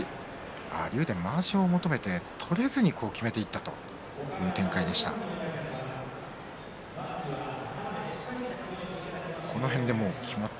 竜電、まわしを求めて取れずにきめていったという展開になりました。